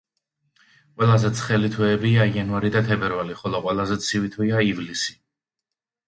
ყველაზე ცხელი თვეებია იანვარი და თებერვალი, ხოლო ყველაზე ცივი თვეა ივლისი.